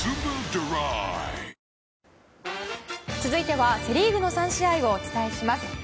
続いては、セ・リーグの３試合をお伝えします。